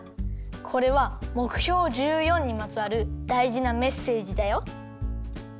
これはもくひょう１４にまつわるだいじなメッセージだよ。